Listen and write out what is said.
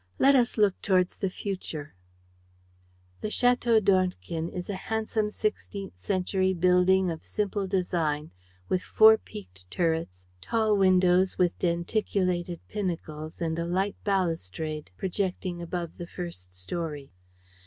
Let us look towards the future." The Château d'Ornequin is a handsome sixteenth century building of simple design, with four peaked turrets, tall windows with denticulated pinnacles and a light balustrade projecting above the first story.